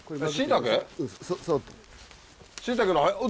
そう。